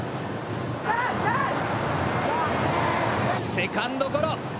セカンドゴロ。